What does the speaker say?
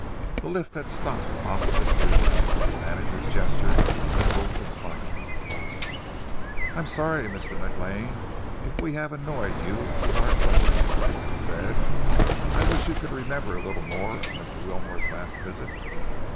The lift had stopped opposite to them. The manager's gesture of dismissal was final. "I am sorry, Mr. Maclane, if we have annoyed you with our questions," Francis said. "I wish you could remember a little more of Mr. Wilmore's last visit."